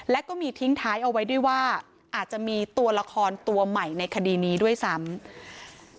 และก็มีทิ้งท้ายเอาไว้ด้วยว่าอาจจะมีตัวละครตัวใหม่ในคดีนี้ด้วยซ้ำ